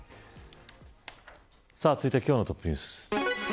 続いて今日のトップニュース。